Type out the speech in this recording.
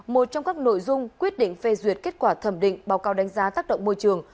một trong các nội dung quyết định phê duyệt kết quả thẩm định báo cáo đánh giá tác động môi trường